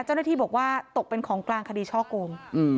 เจ้าหน้าที่บอกว่าตกเป็นของกลางคดีช่อกง